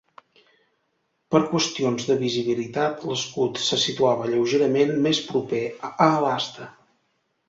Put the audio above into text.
Per qüestions de visibilitat l'escut se situava lleugerament més proper a l'asta.